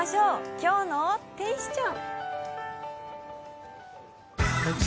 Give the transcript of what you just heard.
「今日の天使ちゃん」。